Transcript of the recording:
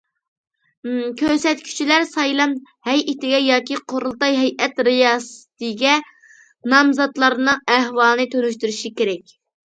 كۆرسەتكۈچىلەر سايلام ھەيئىتىگە ياكى قۇرۇلتاي ھەيئەت رىياسىتىگە نامزاتلارنىڭ ئەھۋالىنى تونۇشتۇرۇشى كېرەك.